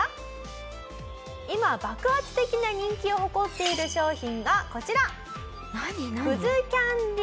今爆発的な人気を誇っている商品がこちらきゃんでぃ。